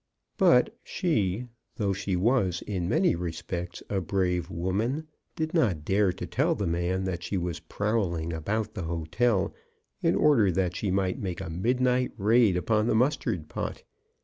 But she, though she was in many respects a brave woman, did not dare to tell the man that she was prowling about the hotel in order that she might make a midnight raid upon the mus tard pot.